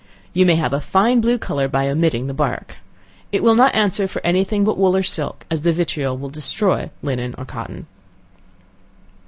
You may have a fine blue color by omitting the bark. It will not answer for any thing but wool or silk, as the vitriol will destroy linen or cotton.